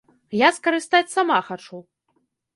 Я скарыстаць сама хачу.